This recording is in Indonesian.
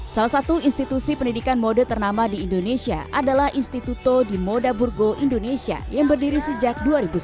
salah satu institusi pendidikan mode ternama di indonesia adalah instituto di moda burgo indonesia yang berdiri sejak dua ribu sepuluh